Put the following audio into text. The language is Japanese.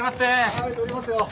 はい通りますよ。